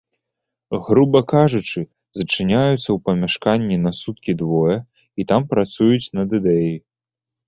Груба кажучы, зачыняюцца ў памяшканні на суткі-двое і там працуюць над ідэяй.